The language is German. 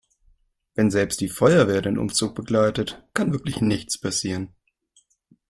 Wenn selbst die Feuerwehr den Umzug begleitet, kann wirklich nichts passieren.